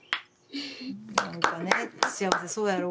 何かね幸せそうやろ？